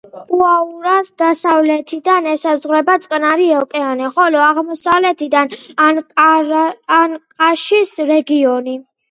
უაურას დასავლეთიდან ესაზღვრება წყნარი ოკეანე, ხოლო აღმოსავლეთიდან ანკაშის რეგიონი.